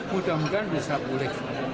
mudah mudahan bisa pulih